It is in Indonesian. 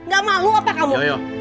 gak malu apa kamu